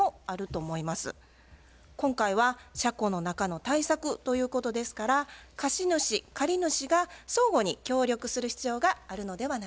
今回は車庫の中の対策ということですから貸主借り主が相互に協力する必要があるのではないでしょうか。